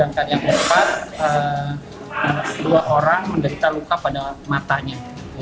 yang keempat dua orang menderita luka pada matanya